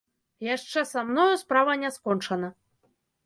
Яшчэ са мною справа не скончана.